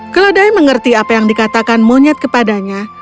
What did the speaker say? keledai mengerti apa yang dikatakan monyet kepadanya